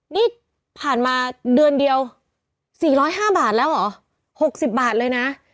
นี่ผ่านมาเดือนเดียว๔๐๕บาทแล้วเหรอ๖๐บาทเลยนะ